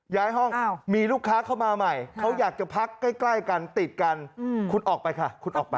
ย้ายห้องมีลูกค้าเข้ามาใหม่เขาอยากจะพักใกล้กันติดกันคุณออกไปค่ะคุณออกไป